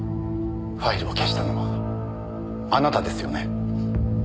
ファイルを消したのはあなたですよね？